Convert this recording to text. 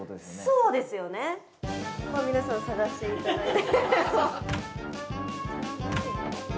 皆さん探していただいて。